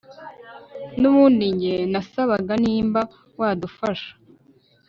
nubundi njye nasabaga nimba wadufasha